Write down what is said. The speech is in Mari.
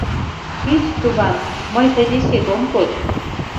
— Шич, туван, мый тый дечет ом код.